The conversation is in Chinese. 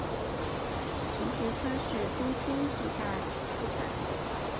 神田川是东京地下铁车站。